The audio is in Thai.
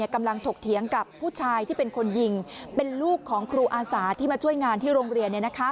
ถกเถียงกับผู้ชายที่เป็นคนยิงเป็นลูกของครูอาสาที่มาช่วยงานที่โรงเรียน